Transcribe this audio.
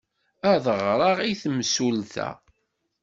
Ad ɣreɣ i temsulta?